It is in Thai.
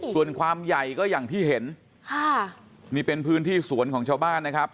ส่วนความใหญ่ก็อย่างที่เห็นค่ะนี่เป็นพื้นที่สวนของชาวบ้านนะครับ